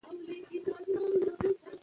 د زده کړې نشتوالی کلتوري کمزوري رامنځته کوي.